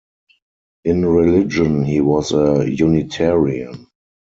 In religion, he was a Unitarian.